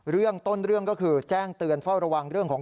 เรื่องต้นเรื่องก็คือแจ้งเตือนเฝ้าระวังเรื่องของ